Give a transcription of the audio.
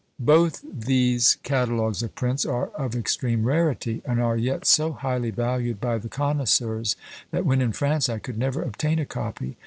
Both these catalogues of prints are of extreme rarity, and are yet so highly valued by the connoisseurs, that when in France I could never obtain a copy.